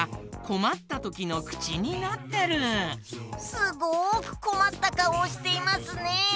すごくこまったかおをしていますね。